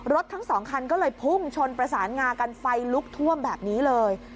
ทั้งสองคันก็เลยพุ่งชนประสานงากันไฟลุกท่วมแบบนี้เลย